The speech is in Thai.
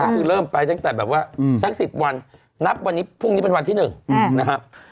ก็คือเริ่มไปตั้งแต่แบบว่าสัก๑๐วันนับวันนี้พรุ่งนี้เป็นวันที่๑นะครับ